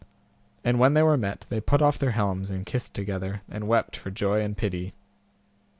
And when they were met they put off their helms and kissed together, and wept for joy and pity.